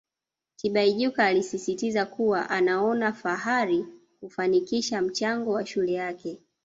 Tibaijuka alisisitiza kuwa anaona fahari kufanikisha mchango wa shule yake